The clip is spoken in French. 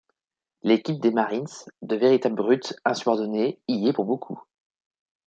L’équipe des Marines, de véritables brutes insubordonnées, y est pour beaucoup.